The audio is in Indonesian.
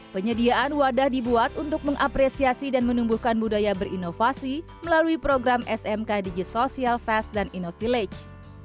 penyediaan wadah dibuat untuk mengapresiasi dan menumbuhkan budaya berinovasi melalui program smk digisosial fast dan innovillage